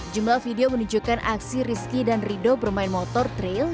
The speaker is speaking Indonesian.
jumlah video menunjukkan aksi rizky dan rido bermain motor trail